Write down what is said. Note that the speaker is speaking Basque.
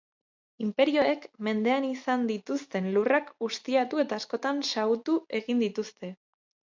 Inperioek, mendean izan dituzten lurrak ustiatu eta askotan xahutu egin dituzte.